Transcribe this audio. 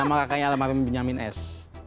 nama kakaknya almarhum bin yamin s